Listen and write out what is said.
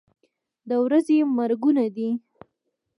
د ورځې مرګونه دي.